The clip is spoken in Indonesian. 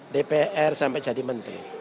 dpr sampai jadi menteri